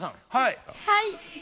はい！